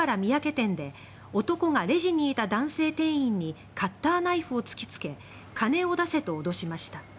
店で男がレジにいた男性店員にカッターナイフを突きつけ金を出せと脅しました。